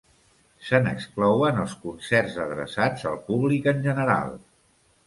Se n'exclouen els concerts adreçats al públic en general.